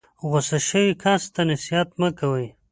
غسه شوي کس ته نصیحت مه کوئ.